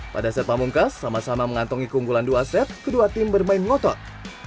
pada set pamungkas sama sama mengantongi keunggulan dua set kedua tim bermain ngotot